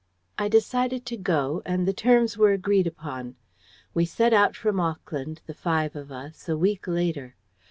"I decided to go, and the terms were agreed upon. We set out from Auckland, the five of us, a week later.